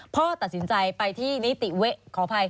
พ่อตัดสินใจไปที่นิติเวะขออภัย